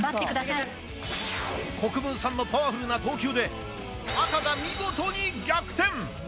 国分さんのパワフルな投球で、赤が見事に逆転。